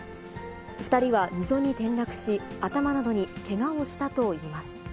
２人は溝に転落し、頭などにけがをしたといいます。